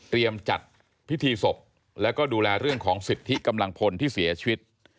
จัดพิธีศพแล้วก็ดูแลเรื่องของสิทธิกำลังพลที่เสียชีวิต